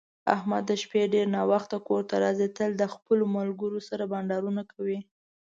احمد د شپې ډېر ناوخته کورته راځي، تل د خپلو ملگرو سره بنډارونه کوي.